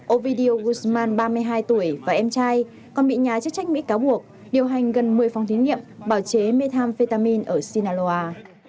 ovidio wilsman ba mươi hai tuổi và em trai còn bị nhà chức trách mỹ cáo buộc điều hành gần một mươi phòng thí nghiệm bảo chế methamphetamin ở sinaloa